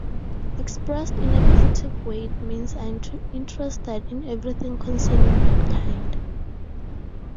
Expressed in a positive way it means, 'I am interested in everything concerning mankind.